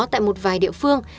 tại một vài địa phương